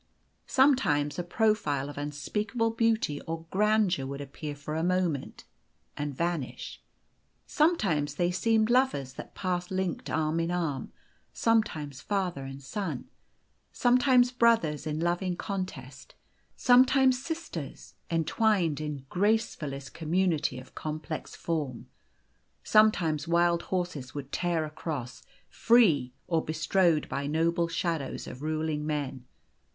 Sometimes a profile of unspeakable beauty or grandeur would appear for a moment and vanish. Sometimes they seemed lovers that passed linked arm in arm, sometimes father and son, sometimes brothers in loving contest, sometimes sisters entwined in gracefullest community of complex The Golden Key '95 form. Sometimes wild horses would tear across, free, or bestrode by noble shadows of ruling men.